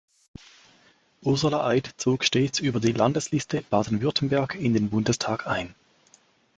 Ursula Eid zog stets über die Landesliste Baden-Württemberg in den Bundestag ein.